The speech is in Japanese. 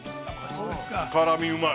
◆辛みうまい。